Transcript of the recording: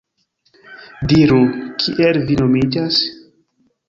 Diru, kiel vi nomiĝas?